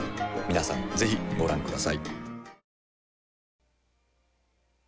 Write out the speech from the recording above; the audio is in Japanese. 皆さん是非ご覧下さい。